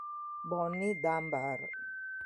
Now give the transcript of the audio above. Bonnie Dunbar